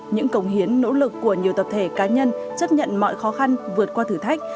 những cống hiến nỗ lực của nhiều tập thể cá nhân chấp nhận mọi khó khăn vượt qua thử thách